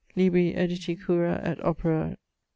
_Libri editi curâ et operâ Tho.